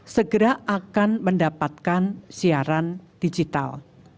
segera akan mendapatkan siaran digital